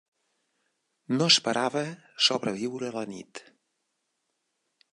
No esperava sobreviure la nit.